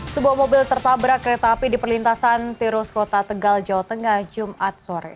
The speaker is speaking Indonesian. sebuah mobil tertabrak kereta api di perlintasan tirus kota tegal jawa tengah jumat sore